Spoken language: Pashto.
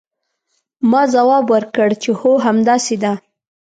ما ځواب ورکړ چې هو همداسې ده.